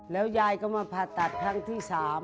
แล้วยายก็มาผ่าตัดครั้งที่๓